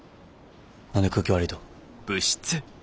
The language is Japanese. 何で空気悪いと。